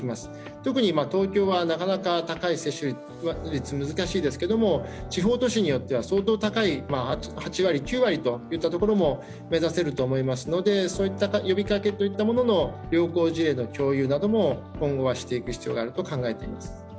特に東京は高い接種率難しいですけれども、地方都市によっては相当高い、８割９割も目指せると思いますので、そういった呼びかけの事例の共有なども今後はしていく必要があると考えています。